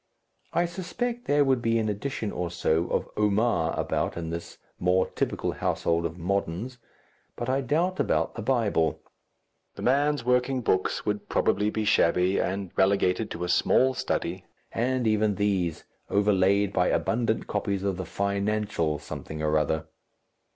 I suspect there would be an edition or so of "Omar" about in this more typical household of "Moderns," but I doubt about the Bible. The man's working books would probably be shabby and relegated to a small study, and even these overlaid by abundant copies of the Financial something or other.